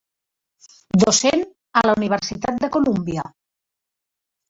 Docent a la Universitat de Colúmbia.